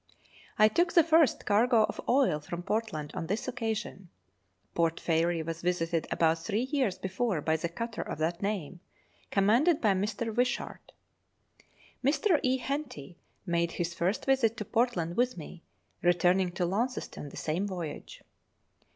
I took the first cargo of oil from Portland on this occasion. Port Fairy was visited about three years before by the cutter of that name, commanded by Mr. Wiahart. Mr. E. Henty made his first visit to Portland with me, returning to Launcestou the same voyage.